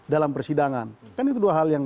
dalam persidangan kan itu dua hal yang